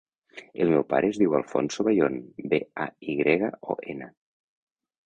El meu pare es diu Alfonso Bayon: be, a, i grega, o, ena.